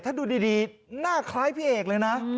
ถ้าดูดีหน้าคล้ายพี่เอกเลยนะ